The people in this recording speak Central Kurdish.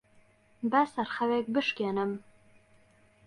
با سەرخەوێک بشکێنم.